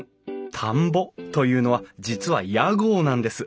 「田んぼ」というのは実は屋号なんです。